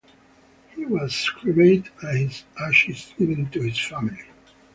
He was cremated and his ashes given to his family.